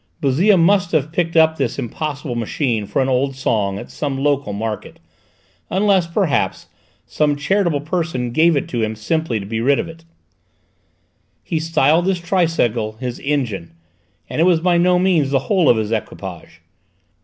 Bouzille must have picked up this impossible machine for an old song at some local market, unless perhaps some charitable person gave it to him simply to get rid of it. He styled this tricycle his "engine," and it was by no means the whole of his equipage.